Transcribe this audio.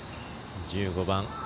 １５番。